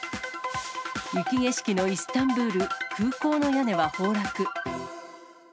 雪景色のイスタンブール、空港の屋根は崩落。